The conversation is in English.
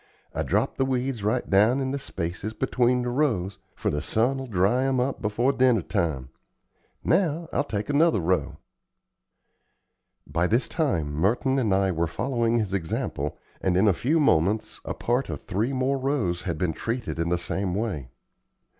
I drop the weeds right down in the spaces between the rows, for the sun will dry 'em up before dinner time. Now I'll take another row." By this time Merton and I were following his example, and in a few moments a part of three more rows had been treated in the same way.